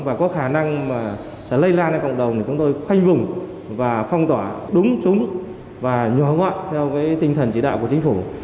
và có khả năng sẽ lây lan vào cộng đồng thì chúng tôi khoanh vùng và phong tỏa đúng chúng và nhỏ ngoại theo tinh thần chỉ đạo của chính phủ